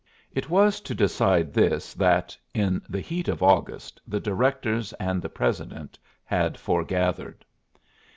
It was to decide this that, in the heat of August, the directors and the president had foregathered.